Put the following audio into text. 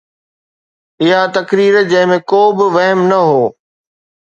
اها تقرير جنهن ۾ ڪو به وهم نه هو.